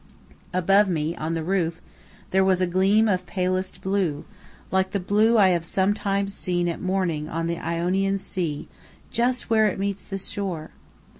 Above me, on the roof, there was a gleam of palest blue, like the blue I have sometimes seen at morning on the Ionian sea just where it meets the shore.